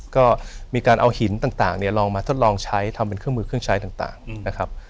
ก็มีการเอาหินต่างลองมาทดลองใช้ทำเป็นเครื่องมือเครื่องใช้ต่างนะครับ